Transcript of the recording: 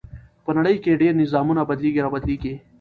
په نړۍ کې ډېر نظامونه بدليږي را بدلېږي .